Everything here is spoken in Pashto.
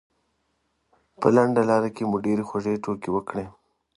په لنډه لاره کې مو ډېرې خوږې ټوکې وکړې.